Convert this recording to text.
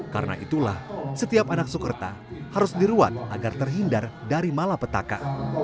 karena itulah setiap anak sukerta harus diruat agar terhindar dari malapetaka